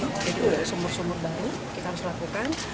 jadi sumur sumur baru kita harus lakukan